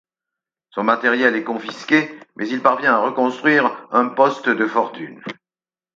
Son matériel est confisqué mais il parvient à reconstruire un poste de fortune.